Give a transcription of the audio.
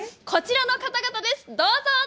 こちらの方々です、どうぞ。